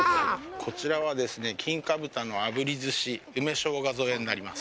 こちらはですね、「金華豚の炙り寿司、梅しょうが添え」になります。